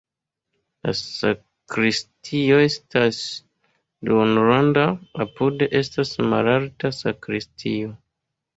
La sakristio estas duonronda, apude estas malalta sakristio.